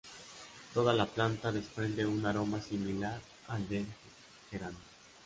Toda la planta desprende un aroma similar al del geranio.